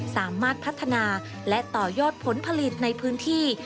สามารถพัฒนาและต่อยอดผลผลิตในพื้นที่